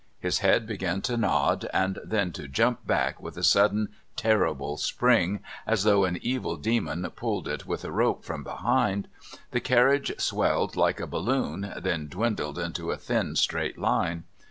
His head began to nod and then to jump back with a sudden terrible spring as though an evil demon pulled it with a rope from behind, the carriage swelled like a balloon, then dwindled into a thin, straight line.